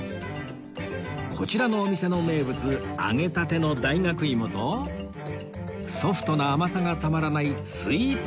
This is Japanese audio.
こちらのお店の名物揚げたての大学芋とソフトな甘さがたまらないスイートポテト